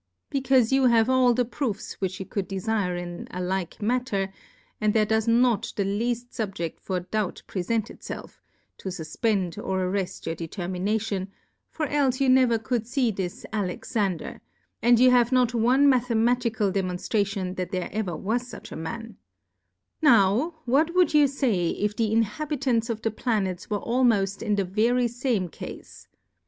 Becaufe you have all the Proofs which you could defire in a like Matter, and there does not the leaft Subjed for Doubt prefent it felf, to fufpend or arreft your Determina tion ; for elfe you never could fee this Alexander^ and you have not one Ma thematical Demonftration that there e ver was fuch a Man, Now what would you fay if the Inhabitants of the Planets were almoft in the very fame Cafe